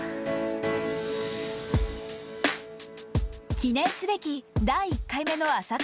記念すべき第１回目の朝活